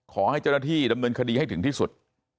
ขอให้เจ้าหน้าที่ดำเนินคดีให้ถึงที่สุด